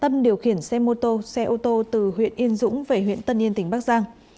tổ công tác đâm vào xe mô tô xe ô tô từ huyện yên dũng về huyện tân yên tỉnh bắc giang